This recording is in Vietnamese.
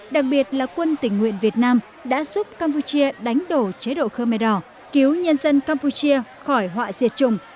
đặc biệt là quân tỉnh nguyện việt nam đã giúp campuchia đánh đổ chế độ khơ mê đỏ cứu nhân dân campuchia khỏi họa diệt chủng